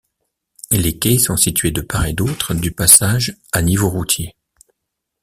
Les quais sont situés de part et d'autre du passage à niveau routier.